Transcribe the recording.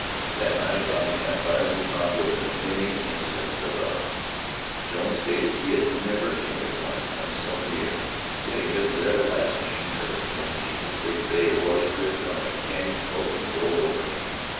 That night round the campfire we talked over the many incidents of the hunt. Jones stated he had never in his life come so near getting his "everlasting" as when the big bay horse tripped on a canyon slope and rolled over him.